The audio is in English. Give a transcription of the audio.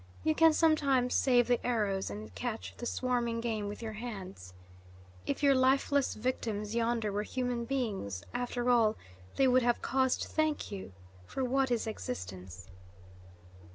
You can sometimes save the arrows and catch the swarming game with your hands. If your lifeless victims yonder were human beings, after all, they would have cause to thank you; for what is existence?"